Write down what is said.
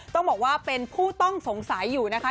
ต้องบอกว่าเป็นผู้ต้องสงสัยอยู่นะคะ